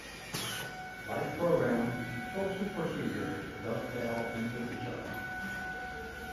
Like programs, social procedures dovetail into each other.